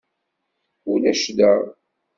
Ulac da.